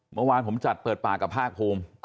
เมื่อวานผมจัดเปิดปากกับภาคภูมิ